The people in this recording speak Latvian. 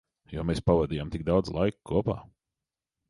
Jo mēs pavadījām tik daudz laika kopā.